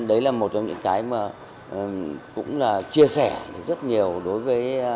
đấy là một trong những cái mà cũng là chia sẻ rất nhiều đối với